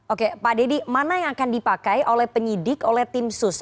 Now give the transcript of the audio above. oke pak deddy mana yang akan dipakai oleh penyidik oleh tim sus